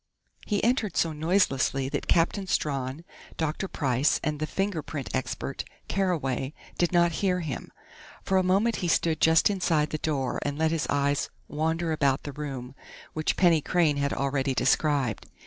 He entered so noiselessly that Captain Strawn, Dr. Price and the fingerprint expert, Carraway, did not hear him. For a moment he stood just inside the door and let his eyes wander about the room which Penny Crain had already described.